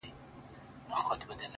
له خوب چي پاڅي _ توره تياره وي _